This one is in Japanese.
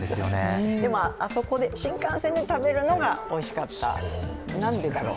でも、新幹線で食べるのがおいしかった、何でだろう。